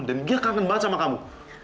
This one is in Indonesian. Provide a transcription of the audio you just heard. dan dia kangen banget sama kamu